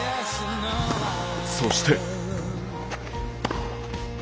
そして。